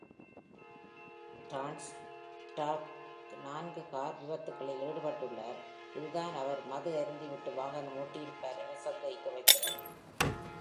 ரான்ஸ்டார்ஃப் நான்கு கார் விபத்துகளில் ஈடுபட்டுள்ளார். இது தான் அவர் மது அருந்திவிட்டு வாகனம் ஓட்டியிருப்பார் என சந்தேகிக்க வைக்கின்றது